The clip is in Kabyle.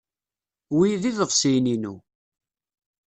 Wi d iḍebsiyen-inu.